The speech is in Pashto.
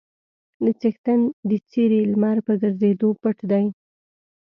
د څښتن د څېرې لمر په ګرځېدو پټ دی.